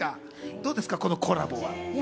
どうですか、このコラボ。